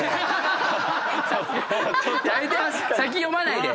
先読まないで。